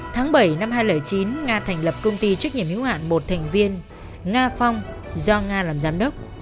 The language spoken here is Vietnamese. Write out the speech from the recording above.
tháng bảy năm hai nghìn chín nga thành lập công ty trách nhiệm hiếu hạn một thành viên nga phong do nga làm giám đốc